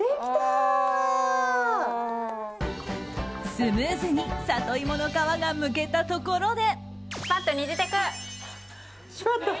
スムーズにサトイモの皮がむけたところで。